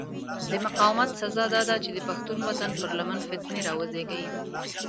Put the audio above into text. د مقاومت سزا داده چې د پښتون وطن پر لمن فتنې را وزېږي.